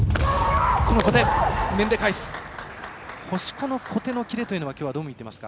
星子の小手のキレというのはどう見ていますか？